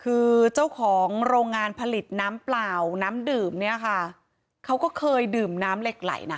คือเจ้าของโรงงานผลิตน้ำเปล่าน้ำดื่มเนี่ยค่ะเขาก็เคยดื่มน้ำเหล็กไหลนะ